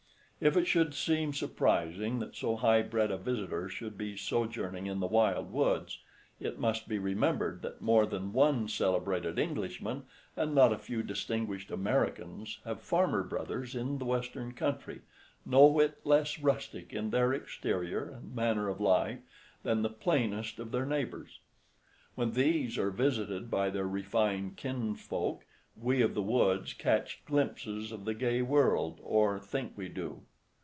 If it should seem surprising that so high bred a visitor should be sojourning in the wild woods, it must be remembered that more than one celebrated Englishman and not a few distinguished Americans have farmer brothers in the western country, no whit less rustic in their exterior and manner of life than the plainest of their neighbors. When these are visited by their refined kinsfolk, we of the woods catch glimpses of the gay world, or think we do.